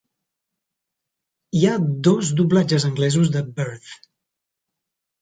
Hi ha dos doblatges anglesos de "Birth".